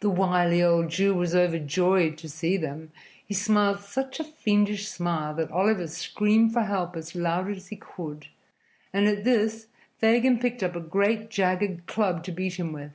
The wily old Jew was overjoyed to see them. He smiled such a fiendish smile that Oliver screamed for help as loud as he could, and at this Fagin picked up a great jagged club to beat him with.